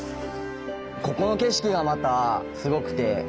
ここの景色がまたすごくて。